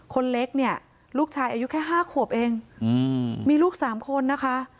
คนเล็กเนี่ยลูกชายอายุแค่๕ขวบเองมีลูก๓คนนะคะ